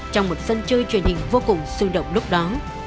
trong một sân chơi truyền hình vô cùng sôi động lúc đó